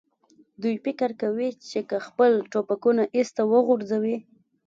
دوی فکر کوي، چې که خپل ټوپکونه ایسته وغورځوي.